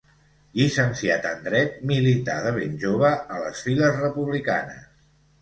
Llicenciat en dret, milità de ben jove a les files republicanes.